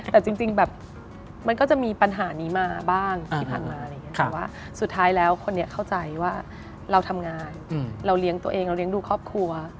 แต่จริงแบบมันก็จะมีปัญหานี้มาบ้างที่ผ่านมาอะไรอย่างนี้แต่ว่าสุดท้ายแล้วคนนี้เข้าใจว่าเราทำงานเราเลี้ยงตัวเองเราเลี้ยงดูครอบครัว